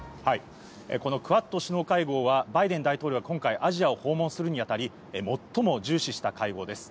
クアッド首脳会合はバイデン大統領が今回、アジアを訪問するにあたり最も重視した会合です。